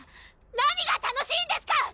何が楽しいんですか